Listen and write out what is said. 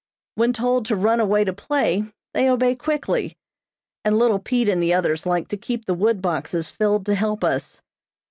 When told to run away to play, they obey quickly, and little Pete and the others like to keep the wood boxes filled to help us.